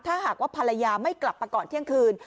ถ้าหากว่าภรรยาไม่กลับมาก่อนเที่ยงคืน